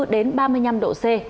ba mươi bốn đến ba mươi năm độ c